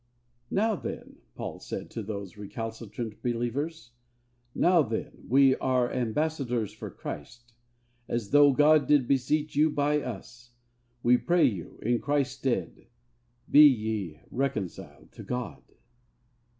'Now then,' Paul said to those recalcitrant believers, 'now then, we are ambassadors for Christ, as though God did beseech you by us, we pray you, in Christ's stead, be ye reconciled to God.'